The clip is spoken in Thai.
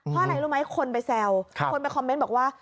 เพราะอะไรรู้ไหมคนไปแซวคนไปคอมเมนต์บอกว่า